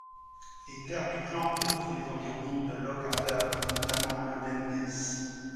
Les terres du clan couvrent les environs du Lochaber et notamment le Ben Nevis.